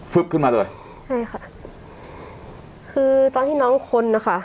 ขึ้นมาเลยใช่ค่ะคือตอนที่น้องคนนะคะ